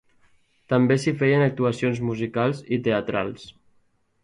També s'hi feien actuacions musicals i teatrals.